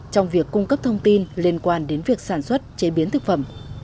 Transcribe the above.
trong việc cung cấp thông tin liên quan đến việc sản xuất chế biến thực phẩm